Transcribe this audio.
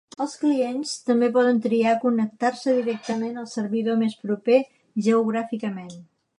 Els clients també poden triar connectar-se directament al servidor més proper geogràficament.